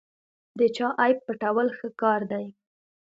د چا عیب پټول ښه کار دی.